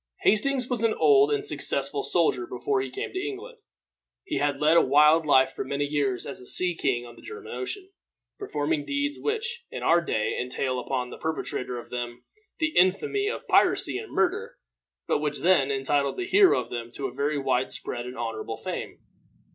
Hastings was an old and successful soldier before he came to England. He had led a wild life for many years as a sea king on the German Ocean, performing deeds which in our day entail upon the perpetrator of them the infamy of piracy and murder, but which then entitled the hero of them to a very wide spread and honorable fame.